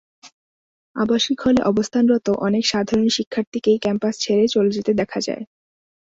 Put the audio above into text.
আবাসিক হলে অবস্থানরত অনেক সাধারণ শিক্ষার্থীকেই ক্যাম্পাস ছেড়ে চলে যেতে দেখা যায়।